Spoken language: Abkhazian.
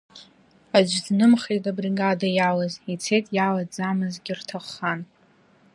Аӡә днымхеит абригада иалаз, ицеит иалаӡамызгь, ирҭаххан.